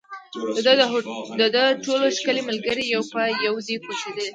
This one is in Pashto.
د ده ټول ښکلي ملګري یو په یو دي کوچېدلي